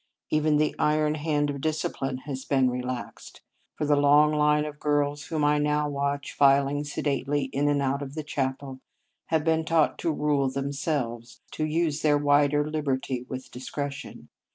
Even the iron hand of discipline has been relaxed; vii Introduction for the long line of girls whom I now watch filing sedately in and out of the chape] have been taught to rule them selves, to use their wider liberty with discretion.